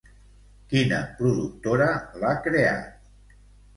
Quina productora l'ha creat?